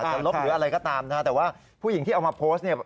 จะลบหรืออะไรก็ตามแต่ว่าผู้หญิงที่เอามาโพสต์